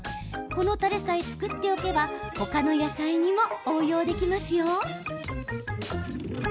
このたれさえ作っておけば他の野菜にも応用できますよ。